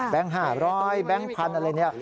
แบงค์๕๐๐แบงค์๑๐๐๐อะไรอย่างนี้